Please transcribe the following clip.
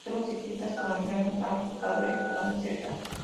Cuatro ciclistas colombianos han portado esta camiseta.